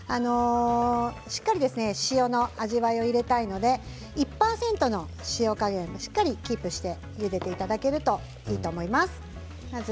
しっかりと塩の味わいを入れたいので１％の塩加減をしっかりとキープしてゆでていただけるといいと思います。